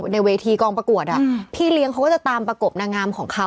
ในเวทีกองประกวดพี่เลี้ยงเขาก็จะตามประกบนางงามของเขา